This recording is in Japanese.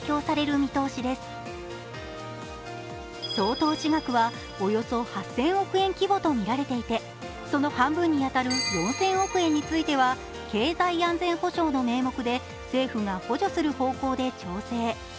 総投資額はおよそ８０００億円規模とみられていて、その半分に当たる４０００億円については経済安全保障の名目で、政府が補助する方向で調整。